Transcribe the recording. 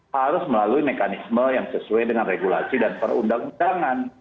harus melalui mekanisme yang sesuai dengan regulasi dan perundang undangan